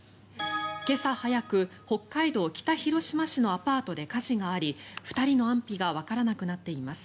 今朝早く、北海道北広島市のアパートで火事があり２人の安否がわからなくなっています。